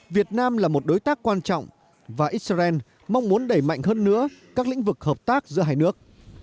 việt nam là một đối tác quan trọng và israel mong muốn đẩy mạnh hơn nữa các lĩnh vực hợp tác giữa hai nước